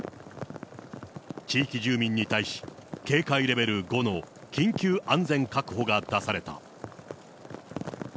地域住民に対し、警戒レベル５の緊急安全確保が出された。